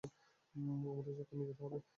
আমাদের এক্ষুনি যেতে হবে।